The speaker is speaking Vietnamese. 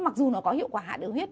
mặc dù nó có hiệu quả hạ đường huyết